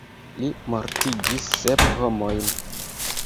Li mortigis sep homojn.